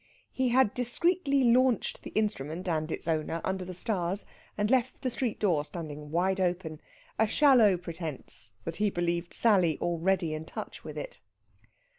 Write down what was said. He had discreetly launched the instrument and its owner under the stars, and left the street door standing wide open a shallow pretence that he believed Sally already in touch with it.